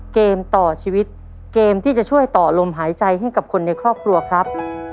เกมต่อชีวิตเกมที่จะช่วยต่อลมหายใจให้กับคนในครอบครัวครับ